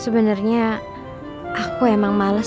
biar kayak orang pacaran